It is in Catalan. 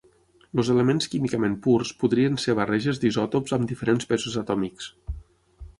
Els elements químicament purs podrien ser barreges d'isòtops amb diferents pesos atòmics.